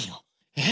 えっ？